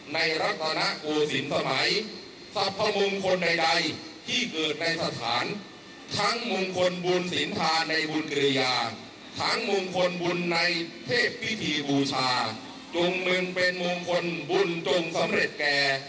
ในเทพพิธีบูชาจงเมืองเป็นมงคลบุญจงสำเร็จแก่